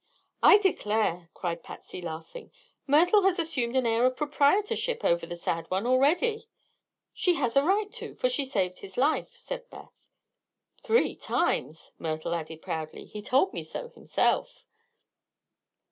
"I declare," cried Patsy, laughing, "Myrtle has assumed an air of proprietorship over the Sad One already." "She has a right to, for she saved his life," said Beth. "Three times," Myrtle added proudly. "He told me so himself."